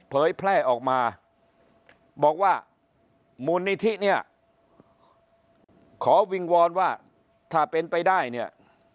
เผยแพร่ออกมาบอกว่ามูลนิธิเนี่ยขอวิงวอนว่าถ้าเป็นไปได้เนี่ย